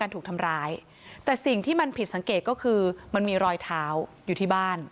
ถูกทำร้ายแต่สิ่งที่มันผิดสังเกตก็คือมันมีรอยเท้าอยู่ที่บ้าน